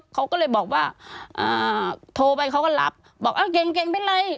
เขาก็เลยบอกว่าโทรไปเขาก็หลับบอกอ้าวเก่งเก่งเป็นไร